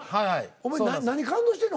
お前何感動してんの？